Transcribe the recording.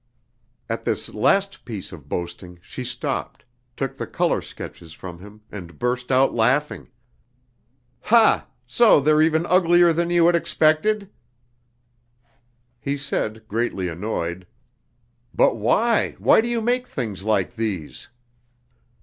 At this last piece of boasting she stopped, took the color sketches from him and burst out laughing. "Ha! So they're even uglier than you had expected?" He said, greatly annoyed: "But why, why do you make things like these?"